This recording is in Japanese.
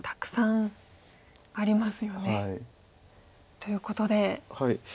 ということで。